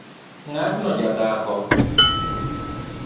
Ng’atno jadhako